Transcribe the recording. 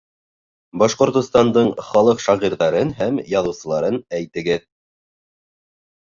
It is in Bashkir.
Башҡортостандың халыҡ шағирҙарын һәм яҙыусыларын әйтегеҙ.